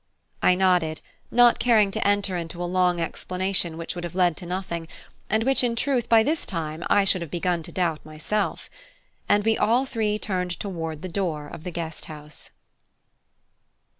I nodded, not caring to enter into a long explanation which would have led to nothing, and which in truth by this time I should have begun to doubt myself. And we all three turned toward the door of the Guest House.